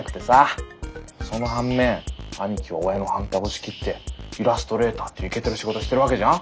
その反面兄貴は親の反対押し切ってイラストレーターっていうイケてる仕事してるわけじゃん。